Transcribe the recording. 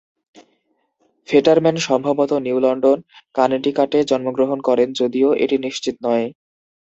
ফেটারম্যান সম্ভবত New London, কানেটিকাটে জন্মগ্রহণ করেন, যদিও এটি নিশ্চিত নয়।